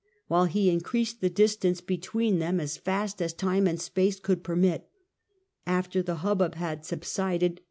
]" while he increased the distance between them as fast as time and fpace would permit. After the hubbub had subsided.